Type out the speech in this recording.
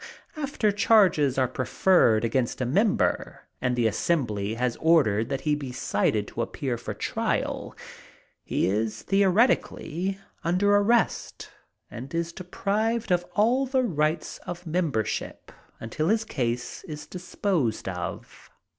After charges are preferred against a member and the assembly has ordered that he be cited to appear for trial, he is theoretically under arrest, and is deprived of all the rights of membership until his case is disposed of.